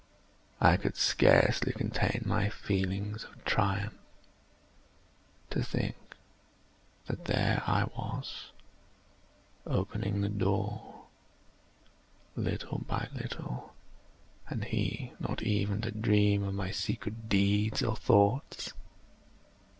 I could scarcely contain my feelings of triumph. To think that there I was, opening the door, little by little, and he not even to dream of my secret deeds or thoughts.